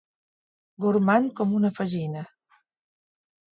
Gormand com una fagina.